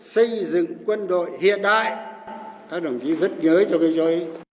xây dựng quân đội hiện đại